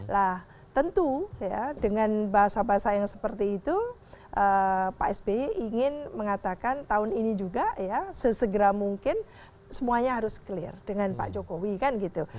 nah tentu ya dengan bahasa bahasa yang seperti itu pak sby ingin mengatakan tahun ini juga ya sesegera mungkin semuanya harus clear dengan pak jokowi kan gitu